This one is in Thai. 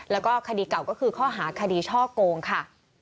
แล้วก็คดีเก่าก็คือข้อหาคดีช่อโกงค่ะ